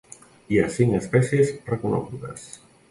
Hi ha cinc espècies reconegudes.